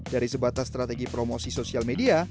dari sebatas strategi promosi sosial media